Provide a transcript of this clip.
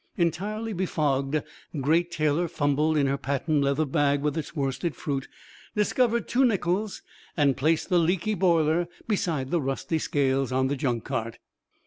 Entirely befogged, Great Taylor fumbled in her patent leather bag with its worsted fruit, discovered two nickels, and placed the leaky boiler beside the rusty scales on the junk cart.